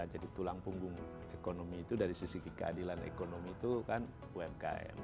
jadi tulang punggung ekonomi itu dari sisi keadilan ekonomi itu kan umkm